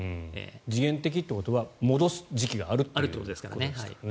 時限的ということは戻す時期があるということですからね。